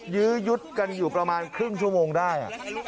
ยื้อยุดกันอยู่ประมาณครึ่งชั่วโมงได้